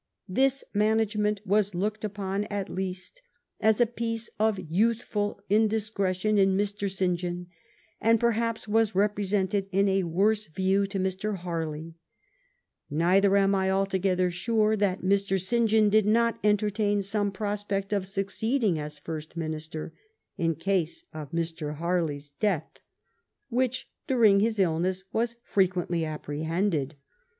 This man agement was looked upon, at least as a piece of youth ful indiscretion in Mr. St. John; and, perhaps, was represented in a wor^e view to Mr. Harley: Neither am I altogether sure, that Mr. St. John did not enter tain some prospect of succeeding as first minister, in case of Mr. Harley's death ; which, during his illness^ was frequently apprehended.